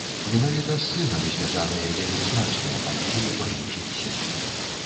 Менавіта з сынам звязаныя вельмі значныя падзеі ў маім жыцці.